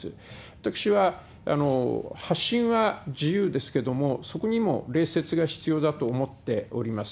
私は、発信は自由ですけれども、そこにも礼節が必要だと思っております。